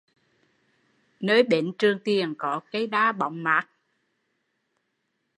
Nơi bến Trường Tiền có cây đa bóng mát